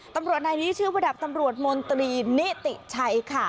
ตำรวจนายนี้ชื่อว่าดาบตำรวจมนตรีนิติชัยค่ะ